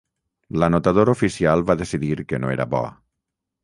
L'anotador oficial va decidir que no era bo.